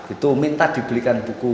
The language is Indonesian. itu minta dibelikan buku